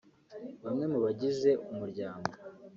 *Bamwe mu bagize umuryango